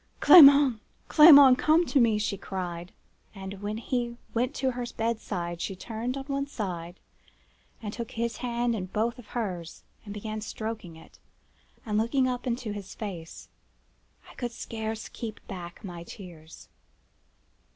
"'Clement! Clement! come to me!' she cried; and when he went to the bedside she turned on one side, and took his hand in both of hers, and began stroking it, and looking up in his face. I could scarce keep back my tears.